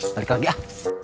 balik lagi ah